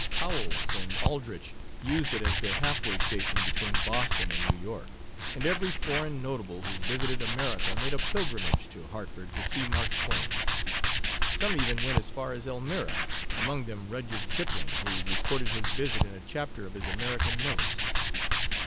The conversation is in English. Howells and Aldrich used it as their half way station between Boston and New York, and every foreign notable who visited America made a pilgrimage to Hartford to see Mark Twain. Some even went as far as Elmira, among them Rudyard Kipling, who recorded his visit in a chapter of his American Notes.